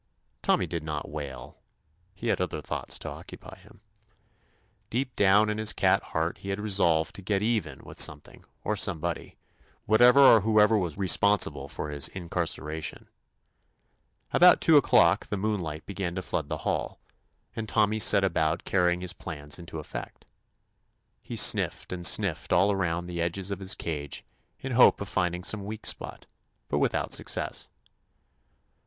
Tommy did not wail; he had other thoughts to occupy him. Deep down in his cat heart he had resolved to "get even" with something or some body, whatever or whoever was re 137 THE ADVENTURES OF sponsible for his incarceration. About two o'clock the moonlight began to flood the hall, and Tommy set about carrying his plans into effect. He sniffed and sniffed all around the edges of his cage in hope of finding some weak spot, but without success.